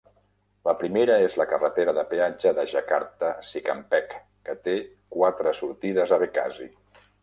La primera és la carretera de peatge de Jakarta-Cikampek, que té quatre sortides a Bekasi.